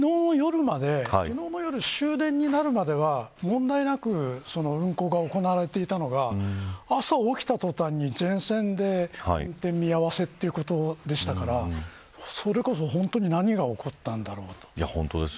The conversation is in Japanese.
昨日の夜まで、終電になるまでは問題なく運行が行われていたのが朝起きた途端に、全線で運転見合わせということでしたからそれこそ本当に何が起こったんだろうと。